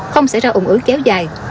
không sẽ ra ủng ứ kéo dài